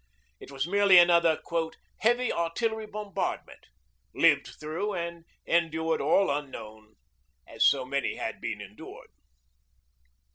It was merely another 'heavy artillery bombardment,' lived through and endured all unknown, as so many have been endured.